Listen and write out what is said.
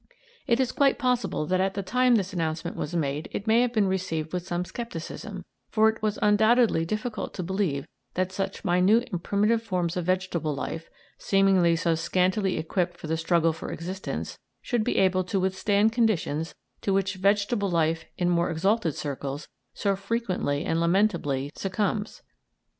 It is quite possible that at the time this announcement was made it may have been received with some scepticism, for it was undoubtedly difficult to believe that such minute and primitive forms of vegetable life, seemingly so scantily equipped for the struggle for existence, should be able to withstand conditions to which vegetable life in more exalted circles so frequently and lamentably succumbs.